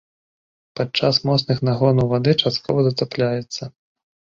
Падчас моцных нагонаў вады часткова затапляецца.